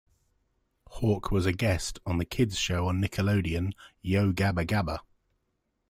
Hawk was a guest on the kid's show on Nickelodeon, "Yo Gabba Gabba!".